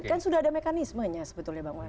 kan sudah ada mekanismenya sebetulnya mbak mas